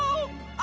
あ。